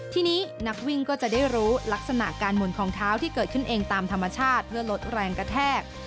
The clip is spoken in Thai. ทีนี้นักวิ่งก็จะได้รู้ลักษณะการหมุนของเท้าที่เกิดขึ้นเองตามธรรมชาติเพื่อลดแรงกระแทก